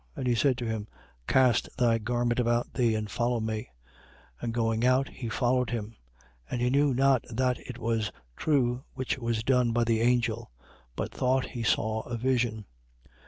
And he said to him: Cast thy garment about thee and follow me, 12:9. And going out, he followed him. And he knew not that it was true which was done by the angel: but thought he saw a vision.